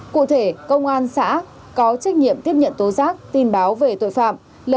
cụ thể công an xã có trách nhiệm tiếp nhận tố giác tin báo về tội phạm